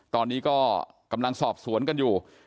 ตอนนี้ก็กำลังสอบสวนกันอยู่